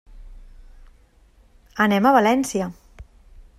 Anem a València.